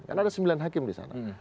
karena ada sembilan hakim di sana